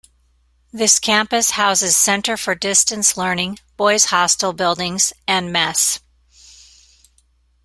This campus houses Centre for Distance Learning, boys hostel buildings and mess.